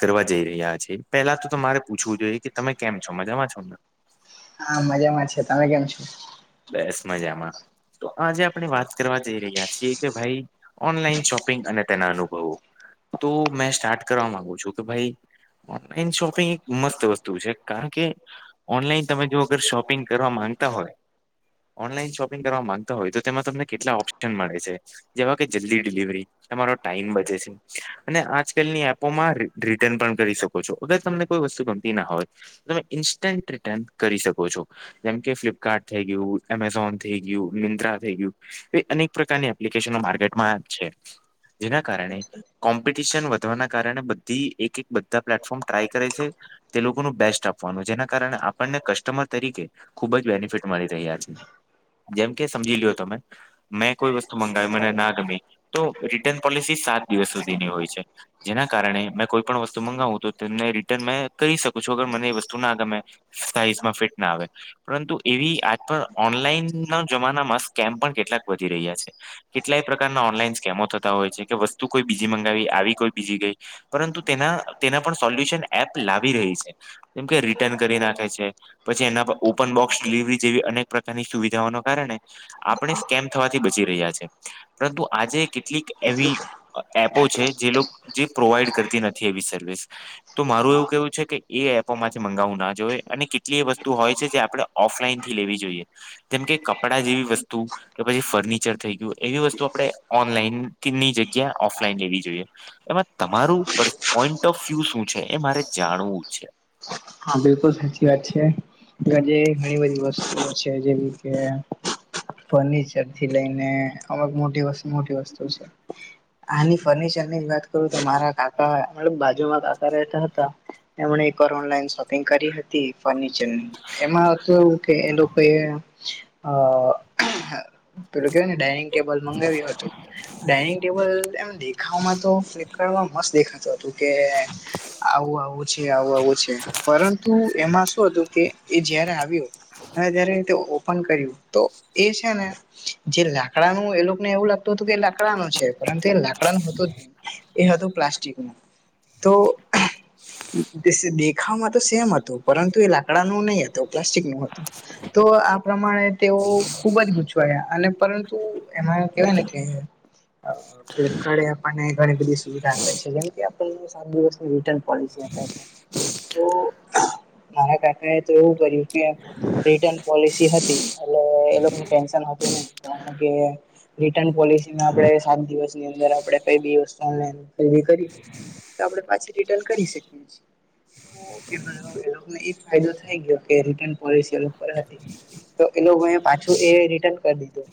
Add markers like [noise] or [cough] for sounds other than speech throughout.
કરવા જઈ રહ્યા છે પેલા તો તમારે પૂછવું જોઈએ કે તમે કેમ છો મજામાં છો ને હા મજામાં છે તમે કેમ છો બસ મજામાં તો આજે આપણે વાત કરવા જઈ રહ્યા છીએ કે ભાઈ ઓનલાઈન શોપિંગ અને તેના અનુભવો તો મેં સ્ટાર્ટ કરવા માંગુ છું કે ભાઈ ઓનલાઈન શોપિંગ એક મસ્ત વસ્તુ છે કારણ કે ઓનલાઈન તમે જો અગર શોપિંગ કરવા માંગતા હોય ઓનલાઈન શોપિંગ કરવા માંગતા હોય તો તેમાં તમને કેટલા ઓપ્શન મળે છે. જેવા કે જલ્દી ડિલિવરી તમારો ટાઈમ બજે છે. અને આજકાલની એપોમાં રિટર્ન પણ કરી શકો છો અગર તમને કોઈ વસ્તુ ગમતી ના હોય તમે ઇન્સ્ટન્ટ રિટર્ન કરી શકો છો જેમ કે ફ્લિપકાર્ટ થઈ ગયું એમેઝોન થઈ ગયું મિંત્રા થઈ ગયું એ અનેક પ્રકારની એપ્લિકેશનો માર્કેટમાં છે જેના કારણે કોમ્પિટિશન વધવાના કારણે બધી એક એક બધા પ્લેટફોર્મ ટ્રાય કરે છે. તે લોકોનું બેસ્ટ આપવાનું જેના કારણે આપણને કસ્ટમર તરીકે ખુબ જ બેનિફિટ તમારી તૈયારી છે જેમ કે સમજી લોયો તમે મેં કોઈ વસ્તુ મંગાવી મને ના ગમી તો રિટર્ન પોલિસી સાત દિવસ સુધીની હોય છે જેના કારણે મેં કોઈ પણ વસ્તુ મંગાવું તો તેમને રિટર્ન મેં કરી શકું છું અગર મને એ વસ્તુ ના ગમે સાઈઝમાં ફિટ ના આવે પરંતુ એવી આજ પણ ઓનલાઈન ના જમાનામાં સ્કેમ પણ કેટલાક વધી રહ્યા છે. કેટલાય પ્રકારના ઓનલાઈન સ્કેમો થતા હોય છે કે વસ્તુ કોઈ બીજી મંગાવી આવી કોઈ બીજી ગઈ પરંતુ તેના તેના પણ સોલ્યુશન એપ લાવી રહી છે કેમ કે રિટર્ન કરી નાખે છે પછી એના પર ઓપન બોક્સ ડિલિવરી જેવી અનેક પ્રકારની સુવિધાઓને કારણે આપણે સ્કેમ થવાથી બચી રહ્યા છે પરંતુ આજે કેટલીક એવી એપો છે જે જે પ્રોવાઈડ કરતી નથી એવી સર્વિસ તો મારું એવું કેવું છે કે એપોમાં મંગાવવું ના જોઈએ અને કેટલી એ વસ્તુ હોય છે જે આપડે ઓફલાઈન થી લેવી જોઈએ જેમ કે કપડા જેવી વસ્તુ તો પછી ફર્નિચર થઈ ગયું એવી વસ્તુ આપણે ઓનલાઈનની જગ્યા ઓફલાઈન લેવી જોઈએ એમાં તમારું પોઈન્ટ ઓફ વ્યુ શું છે એ મારે જાણવું છે. હા બિલકુલ સાચી વાત છે. જ ઘણી બધી વસ્તુઓ છે જેવી કે ફર્નિચરથી લઈને અમ મોટી વસ્તુ મોટી વસ્તુ છે આની ફર્નિચર ની જ વાત કરું તો મારા કાકા બાજુમાં કાકા રહેતા હતા એમને કર લન્ શોપિંગ કરી હતી ફર્નિચરની એમાં હત એવું કે એ લોકો અ પેલું કેવું ને ડઇનિંગ ટેબલ મંગાવ્યું હતું ડાઇનિંગ ટેબલ એમ દેખામાં તો ફ્લિપકાર્ટમાં મસ્ત દેખાતો હતો કે આવું આવું છે આવું આવું છે પરંતુ એમાં શું હતું કે એ જયારે આવ્યું હવે જ્યારે તે ઓપન કર્યું તો એ છે ને જે લાકડાનું એ લોકોને એવું લાગતું હતું કે લાકડાનું છે પરંતુ એ લાકડાનુંતું જ નહી એ હતોું પ્લાસ્ટિક ન તો દખામાં તો સેમ હતું પરંતુ એ લાકડાું નહિ હત પ્લાસ્ટિક નું હતું તો આ પ્રમાણે તેઓ ખુબ જ ગુ ગયા અને પરંતુ એમાં કેવાય ને કે ફિરકડ આપણને ઘણી બધી સુવિધા જેમ આપને સાત દિવસની રટર્ન પોલસીે છે તો મારા કાકા એ તો એવું કર્યું કે રિટર્ન પોલિસી હતી એટ એ ટેન્શન હતું ન કારણ કે રિટર્ન પોલિસીને આપણે સાત દિવસની અંદર આપણે કઈ બી વસ્તુ ઓ ખરી કરી તો આપડણે પાછી રિટર્ન કરી શકીએ છીએ એને એ ફાયદો થઈ ગયો કે રિટર્ન પોલસી એ પર હતી તો એ લોકો એ પાછું એ રિટર્ન કરી દીધું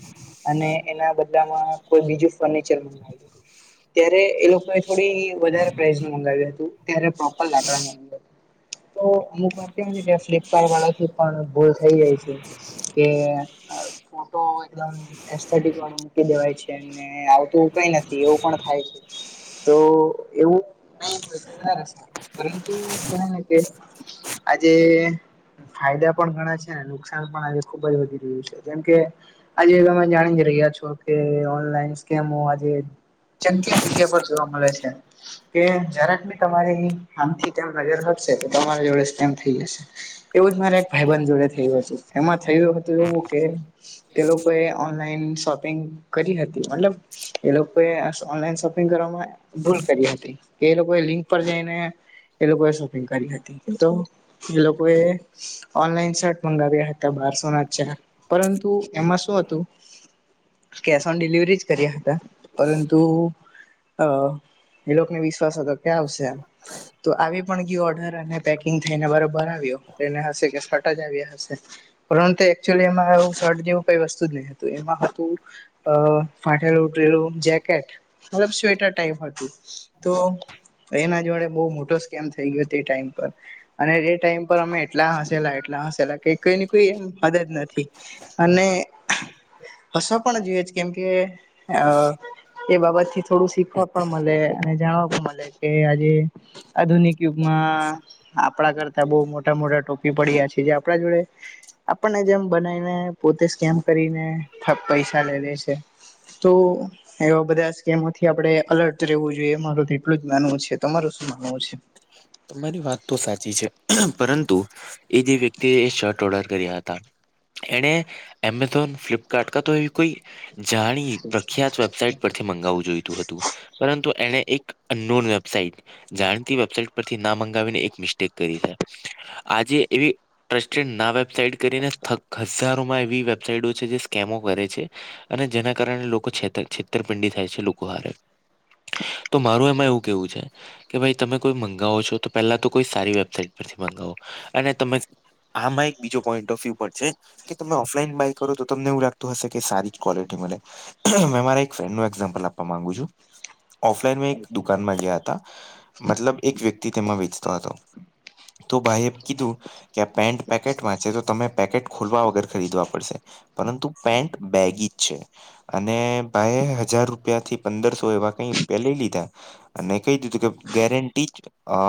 અને એના બદલામાં કોઈ બીજું ફર્નિચર મું ત્યારે એ લોકોએ થોડી વધારે પ્રઇઝ નું મગાવ્યું હતું ત્યારે પ્રોપર લાકડા તો અમુક વાર કેમ કે ફ્લિપકાર્ટ વાળા થી પણ ભૂલ થઇ જાય છે કે ફોટો એકદમ એ વા મૂકી દેવાય છે ને આવતું કઈ નથી એવું પણ થાય છે તો એવું નહી હોય તો વધારે સારું પરંતુ કવા ને કે આજે ફાયદા પણ ઘણા છે નુકસાન પણ આજે ખુબ જ વધી રહ્યું છે કેમ કે આજે તમે જાણી જ રહ્યા છો કે ઓનલાઈન સ્મ આ ચકી જગ્યા પર જોવા મળે છે કે જરાકી તમારી આમથી તેમ નજર હટશે તો તમારી જોડે કેમ થઇ જશે એવું જ મારા એક ભાઈ બન જોડે થયું હતું એમાં થયું હતું એવું કે તે લોકોએ ઓનલાઈન શોપિંગ કરી હતી મતલબ એ લોકોએ ઓનલાઈન શોપિંગ કરવામાં ભૂલ કરી હતી કે એ લોકોએ લિંક પર જઈને એ લોકોએ શોપિંગ કરી હતી તો એ લોકોએ ઓનલાઈન શર્ટ મંગાવ્યા હતા બારસો ના ચાર પરંતુ એમાં શું હતું કેશ ઓન ડિલિવરી જ કર્યા હતા પરંતુ હ એ લોકોને વિશ્વાસ તો ક્યાં આવશે હા તો આવી પણ ગય ઓર્ડર અને પેકિંગ થઈને બરોબર આવ્યો તેને હશે કે ફટા જ આવ્યા હશે પરંતુ એકચુઅલી એમાં એ શર્ટ જેવું કઈ વસ્તુ જ નહી હતું એમાં હતું અ ફાટેલું ઉઠરેલું જેકેટ મતલબ સ્વેટર ટાઈપ હતું તો એના જોડે બહુ મોટો સ્કેમ થઈ ગયો હતો એ ટાઈમ પર અને એ ટાઈમ પર અમે એટલા હસેલા એટલા હસેલા કે કોઈની કોઈ એમ મદદ નથી અને હસો પણ જોઈએ જ કેમ કે અ એ બાબતથી થોડું શીખવા પણ મળે અને જાણવા પણ મળે કે આજે આધુનિક યુગમાં આપણા કરતા બહુ મોટા મોટા ટોપી પડ્યા છે જે આપણા જોડે આપણને જેમ બનાવીને પોતે સ્કેમ કરીને પૈસા લેવેે છે તો એવા બધા સ્ કેમથી આપડે અલર્ટ રહેવું જોઈએ એ માર એટલું જ માનવું છે તમારું શું માનવું છે તમારી વાત તો સાચી છે પરંતુ એ જે વ્યક્તિએ એ શર્ટ ઓર્ડર કર્યા હતા એણે એમેઝોન ફ્લિપકાર્ટ ક તો એવી કોઈ જાણી પ્રખ્યાત વેબસાાઈટ થી મું જોઈ હતું પરંતુ એ એક વેબટ જા વેબસાઇટ પરથી ના મંગાવીને એક મિસ્ટેક કરી છે આજે એવી ટ્રસ્ટેડ ના વેબસાાઈટ કરીને હજારોમાં એવી વેબસાાઈટ છે જે સ્કેમો કરે છે અને જેના કારણે લોકો છેતર છેતરપિંડી થાય છે લોકો હારે તો મારું એમાં એવું કેવું છે કે ભાઈ. તમે કોઈ મંગાવો છો તો પહેલા તો કોઈ સારી વેબસાાઈટ પરથી મંગાવો અને તમે. આમાં એક બીજો પોઈન્ટ ઓફ વ્યુ પણ છે. કે તમે ઓફલાઈન બાય કરો તો તમને એવું લાગતું હશે કે સારી જ ક્વોલિટી મળે. મેં મારા એક ફ્રેન્ડ નું એક્ઝામ્પલ આપવા માંગુ છું ઓફલાઈન માં એક દુકાનમાં ગયા હતા. મતલબ એક વ્યક્તિ તેમાં વેચતો હતો તો ભાઈએ કીધું કે પેન્ટ પેકેટ વાં છે તો તમે પેકેટ ખોલવા વગર ખરીદવા પડશે પરંતુ પેન્ટ બેગી જ છે અને ભાઈ હજાર રૂપિયા થી પંદરસો એવા કઈ રૂપિયા લઈ લીધા. અને કહી દીધું કે ગેરેંટી જ અ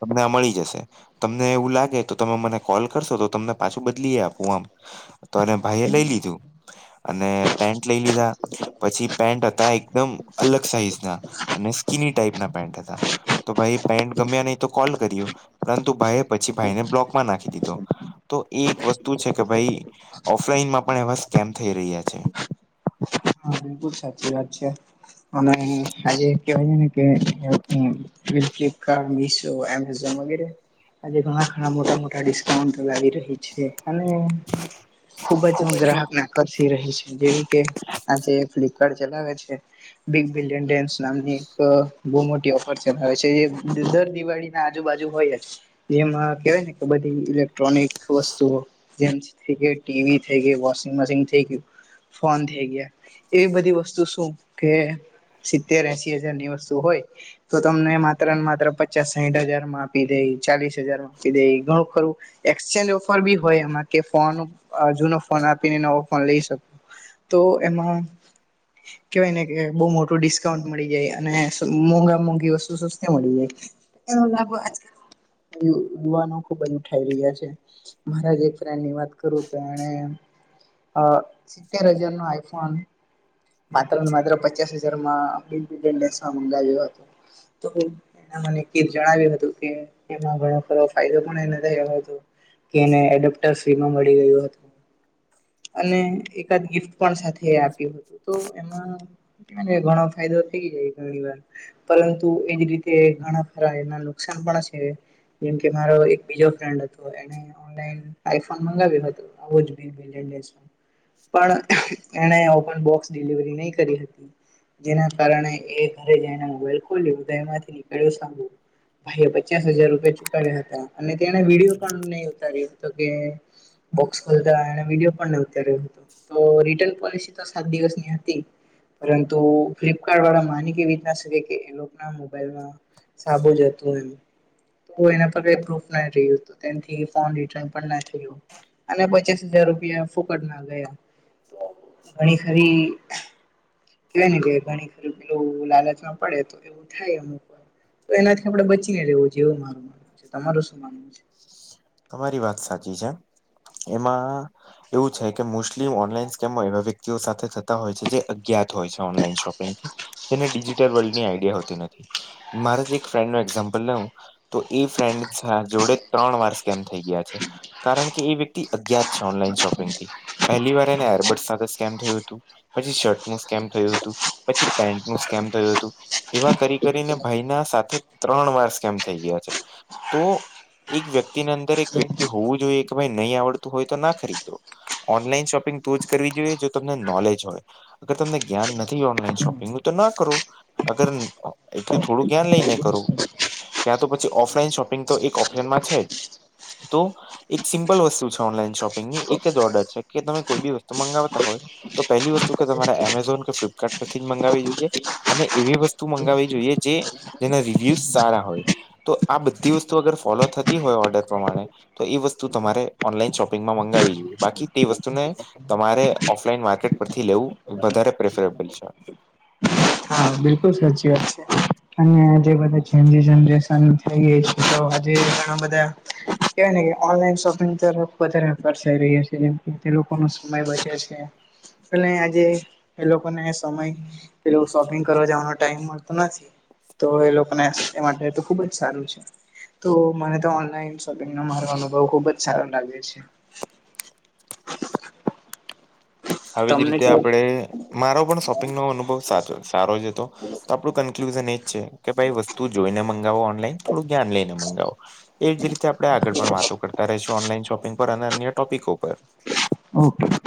તમને આ મળી જશે. તમને એવું લાગે તો તમે મને કોલ કરશો તો તમને પાછું બદલી આપું આમ. તો ભાઈ એ લઈ લીધું અને પેન્ટ લઈ લીધા. પછી પેન્ટ હતા એકદમ અલગ સાઈઝ ના અને સ્કીિની ટાઈપના પેન્ટ હતા. તો ભાઈ પેન્ટ ગમ્યા નહી તો કોલ કર્યું પરંતુ ભાઈએ પછી ભાઈને બ્લોકમાં નાખી દીધો. તો એ એક વસ્તુ છે કે ભાઈ ઓફલાઈનમાં પણ એવા સ્કેમ થઈ રહ્યા છે. હા બિલકુલ સાચી વાત છે. અને આ જે કેવાય ને કે [unintelligible] તો એમઝન વગેરે. આજે ઘણા ઘણા મોટા મોટા ડિસ્કાઉન્ટ લાવ રહી છે અને ખુબ જ હું ગ્રાહકને આકર્ષી રહી છે જેવી કે આજે ફ્લિપકાર્ટ ચલાવે છે બિગ બિલિયન ડેન્સ નામની એક બહુ મોટી ઓફર છે હવે દર દિવાળી ના આજુબાજુ હોય જ. જેમાં કેવાય ને કે બધી ઇલેક્ટ્રોનિક વસ્તુઓ જેન્ટ્સ થઈ ગયા ટીવી થઈ ગઈ વોશિંગ મશીન થઈ ગયું ફોન થઇ ગયા. એવી બધી વસ્તુ શું કે સિત્તેર એસી હજારની વસ્તુ હોય. તો તમને માત્ર ને માત્ર પચાસ સાહીઠ હજાર માં આપી દઈ ચાલીસ હજારમાં આપી દે ઘણું ખરું એક્સચેન્જ ઓફર બી હોય એમાં કે ફોન જૂનો ફોન આપીને નવો ફોન લઈ શકાય. તો એમાં કહેવાય ને કે બહુ મોટું ડિસ્કાઉન્ટ મળી ગઈ અને મોંઘા મોંઘી વસ્તુ સસ્તી મળી ગઈ. એ લાભો યુવાનો ખુબજ ઉઠાઈ રહ્યા છે. મારા જે ફ્રેન્ડ ની વાત કરું તો એણે સિત્તેર હજાર નો આઈફોન માત્ર ને માત્ર પચાસ હજારમાં બેસવા મંગાવ્યો હતો તો મને એ જણાવ્યું હતું કે એમાં ઘણો ખરો ફાયદો પણ એને થયો હતો. કે એને એડોપ્ટર ફ્રીમાં મળી ગયું હતું. અને એકાદ ગિફ્ટ પણ સાથે આપ્યું હતું તો એમાં અને ઘણો ફાયદો થઇ જાય ઘણી વાર પરંતુ એની રીતે ઘણા ખરા એના નુકસાન પણ છે. જેમ કે મારો એક બીજો ફ્રેન્ડ હતો એને. આઈફોન મગાવ્યો હતો [unintelligible] પણ એણે ઓપન બોક્સ ડિલિવરી નહી કરી હતી. જેના કારણે એ ઘરે જઈને મોબાઈલ ખોલ્યોદયમાંથી નીકળ્યો સાંભળું ભાઈએ પચાસ હજાર રૂપિયા ચુકાવ્યા હતા અને તેને વિડીયો પણ નહી ઉતાર્યો હતો કે બોક્સ ખોલતા અને વિડીયો પણ ન ઉતાર્યો હતો તો રિટર્ન પોલિસી તો સાત દિવસ હતી પરંતુ ફ્લિપકાર્ટ વાળા માની કેવી રીત ના શકે કે ના મોબાઈલમાં સાબુ જ હતું એમ કોઈના પર કઈ પ્રૂફ ના રહ્યું ત્યાંથી ફોન રિટર્ન પણ ન થયો. અને પચાસ હજાર રૂપિયા ફોકટ ના ગયા ઘણી ખરી કેવા ને કે ઘણી ખરું પેલું લાલચમાં પડે તો એવું થાય અમુક તો એનાથી આપડે બચીને રવું જે એવું મારું માનવું છે તમારું શું માનવું છે? તમારી વાત સાચી છે. એમાં એવું છે કે મોસ્ટલી ઓનલાઈન સ્કેમો એવા વ્યક્તિઓ સાથે થતા હોય છે જે અજ્ઞાત હોય છે ઓનલાઈન શોપિંગથી. જેને ડિજિટલ વર્લ્ડની આઈડિયા હોતી નથી મારે જ એક ફ્રેન્ડ નું એક્ઝામ્પલ લેવું તો એ ફ્રેન્ડ જોડે ત્રણ વારષ કેમ થઈ ગયા છે કારણ કે એ વ્યક્તિ અજ્ઞાત છે ઓનલાઈન શોપિંગથી. પહેલી વાર એને એરબર્ડ સાથે સ્કેમ થયું હતું. પછી શર્ટ નું સ્કેમ થયું હતું, પછી પેન્ટ નું સ્કેમ થયું હતું. એવા કરી કરીને ભાઈના સાથે ત્રણ વાર સ્કેમ થઇ ગયા છે. તો એક વ્યક્તિની અંદર એક વ્યક્તિ હોવું જોઈએ કે ભાઈ નહી આવડતું હોય તો ના ખરીદો. ઓનલાઈન શોપિંગ તો જ કરવી જોઈએ જો તમને નોલેજ હોય. અગર તમને જ્ઞાન નથી ઓનલાઈન શોપિંગનુ તો ના કરો. અગર એટલું થોડું જ્ઞાન લઈને કરો. ક્યાં તો પછી ઓફલાઈન શોપિંગ તો એક ઓપ્શનમાં છે જ. તો. એક સિમ્પલ વસ્તુ છે ઓનલાઈન શોપિંગની એક જ ઓર્ડર છે કે તમે કોઈ બી વસ્તુ મગાવતા હોય, તો પહેલી વસ્તુ કે તમારે એમેઝોન કે ફ્લિપકાર્ટ પરથી જ મગાવવી જોઈએ. અને એવી વસ્તુ મંગાવવી જોઈએ જે જેના રિવ્યુઝ સારા હોય. તો આ બધી વસ્તુ અગર ફોલો થતી હોય ઓર્ડર. ણે તો એ વસ્તુ તમારે ઓનલાઈન શોપિંગમાં મંગાવવી જોઈએ બાકી તે વસ્તુને. તમારે ઓફલાઈન માર્કેટ પરથી લેવું વધારે પ્રેફરેબલ છે. હા, બિલકુલ સાચી વાત છે. અને જે બધા ઝેન જી જનરેશન થઈ ગઈ છે તો આજે ઘણા બધા. કેવાય ને ઓનલાઈન શોપિંગ તરફ વધારે વેપાર થઈ રહ્યો છે જેમ લોકો નો સમય વધે છે. એ આજે એ લોકોને સમય પે શોપિંગ ઘ જવાનો ટાઈમ મળતો નથી તો એ લોકોને એ માટે તો ખુબ જ સારું છે. તો મને તો ઓનલાઈન શોપિંગ નો મારો અનુભવ ખુબ જ સારો લાગે છે. આવી જ તમને રીતે કેવો આપડે મારો પણ શોપિંગ નો અનુભવ સાચો છે. સારો જ તો તો આપણું કન્ક્લુઝન એ કે ભાઈ વસ્તુ જોઈને મંગાવો ઓનલાઈન, થોડું જ્ઞાન લઈને મંગાવો. એ જ રીતે આપણે આગળ પણ વાતો કરતા રહીશું ઓનલાઈન શોપિંગ પર અને અન્ય ટોપિકો પર. ઓકે.